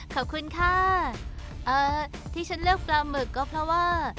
ขอบคุณค่ะที่ฉันเลือกปลาหมึกก็เพราะว่า